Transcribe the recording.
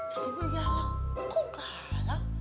jadi boy galau kok galau